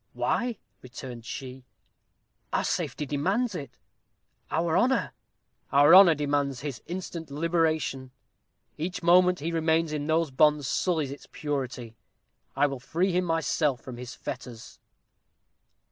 "Why?" returned she, "our safety demands it our honor." "Our honor demands his instant liberation; each moment he remains in those bonds sullies its purity. I will free him myself from his fetters."